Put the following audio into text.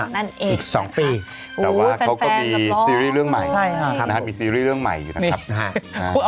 นั่นเองค่ะแต่ว่าเขาก็มีซีรีส์เรื่องใหม่นะครับค่ะมีซีรีส์เรื่องใหม่อยู่นะครับค่ะนั่นเองค่ะ